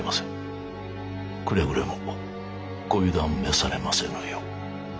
くれぐれもご油断めされませぬよう。